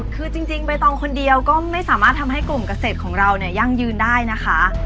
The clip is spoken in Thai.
คือจริงใบตองคนเดียวก็ไม่สามารถทำให้กลุ่มเกษตรของเราเนี่ยยั่งยืนได้นะคะ